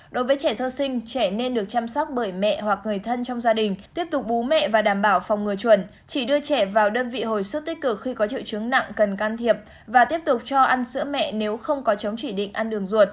đối với trẻ sơ sinh trẻ nên được chăm sóc bởi mẹ hoặc người thân trong gia đình tiếp tục bố mẹ và đảm bảo phòng ngừa chuẩn chỉ đưa trẻ vào đơn vị hồi sức tích cực khi có triệu chứng nặng cần can thiệp và tiếp tục cho ăn sữa mẹ nếu không có chống chỉ định ăn đường ruột